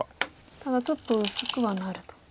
ただちょっと薄くはなると。